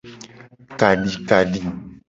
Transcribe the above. Kadikadi.